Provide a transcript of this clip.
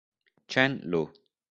Chen Lu